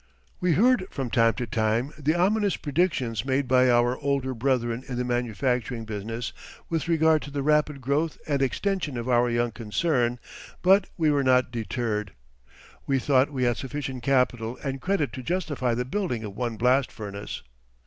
We heard from time to time the ominous predictions made by our older brethren in the manufacturing business with regard to the rapid growth and extension of our young concern, but we were not deterred. We thought we had sufficient capital and credit to justify the building of one blast furnace.